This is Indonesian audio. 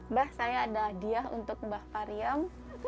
mbak saya ada hadiah untuk mbak pariem